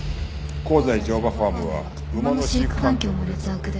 「香西乗馬ファームは馬の飼育環境も劣悪で」